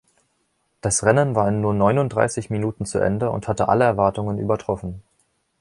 Das Rennen war in nur neununddreißig Minuten zu Ende und hat alle Erwartungen übertroffen.